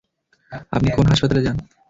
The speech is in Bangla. আপনি কোন হাসপাতালে যান?